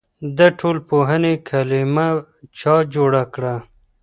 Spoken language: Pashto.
د ټولنپوهنې کلمه چا جوړه کړه؟